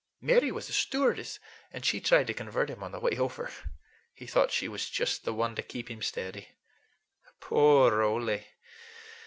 Mary was a stewardess, and she tried to convert him on the way over. He thought she was just the one to keep him steady. Poor Ole!